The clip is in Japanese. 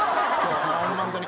ホントに。